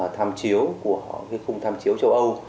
tham chiếu của khung tham chiếu châu âu